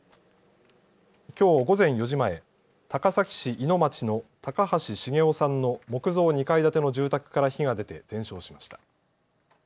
きょう午前４時前、高崎市井野町の高橋重雄さんの木造２階建ての住宅から火が出て全焼しました。